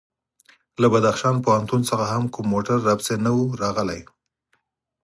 له بدخشان پوهنتون څخه هم کوم موټر راپسې نه و راغلی.